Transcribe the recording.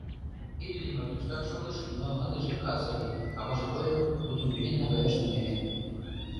Иллимар туштак шогыш, но ындыже кас ыле, аваже тольо, тудым вӱден наҥгаяш тӱҥале.